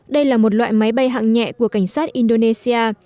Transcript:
đây là một loại máy bay hạng nhẹ của cảnh sát indonesia